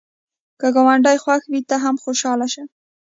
که ګاونډی خوښ وي، ته هم خوشحاله شه